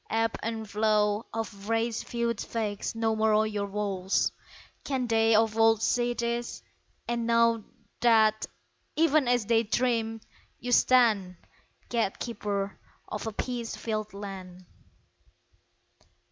Ebb and flow Of race feuds vex no more your walls. Can they of old see this? and know That, even as they dreamed, you stand Gatekeeper of a peace filled land!